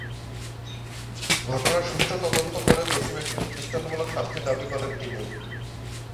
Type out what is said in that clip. ঘটনার সুষ্ঠু তদন্ত করে দোষী ব্যক্তিদের দৃষ্টান্তমূলক শাস্তি দাবি করেন তিনি।